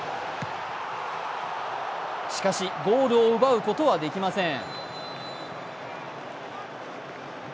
しかし、ゴールを奪うことはできません。